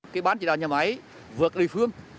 cái bán chỉ đạo nhà máy vượt lị phương